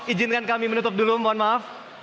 izinkan kami menutup dulu mohon maaf